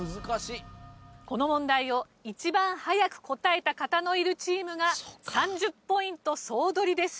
この問題を一番早く答えた方のいるチームが３０ポイント総取りです。